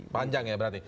panjang ya berarti